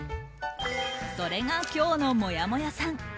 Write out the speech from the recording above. それが今日のもやもやさん。